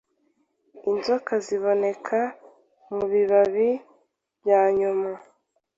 Inzoka ziboneka mu bibabi byanyuma